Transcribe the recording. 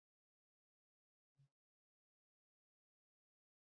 Two plays later, Keith's run provided insurance for the victory.